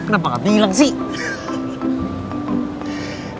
lo kenapa gak bilang sih